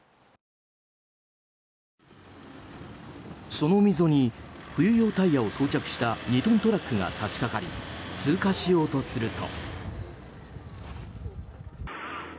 その溝に冬用タイヤを装着した２トントラックが差し掛かり通過しようとすると。